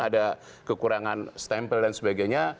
ada kekurangan stempel dan sebagainya